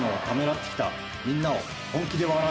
みんなを。